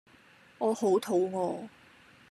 我好肚餓